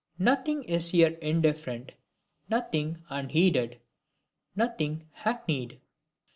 Nothing is here indifferent, nothing unheeded, nothing hackneyed!